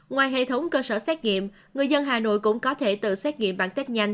ngoài hệ thống cơ sở xét nghiệm người dân hà nội cũng có thể tự xét nghiệm bản tết nhanh